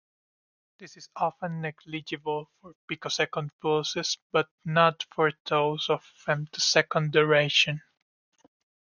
This is often negligible for picosecond pulses but not for those of femtosecond duration.